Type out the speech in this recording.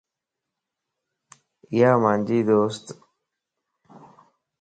ايا مانجي دوست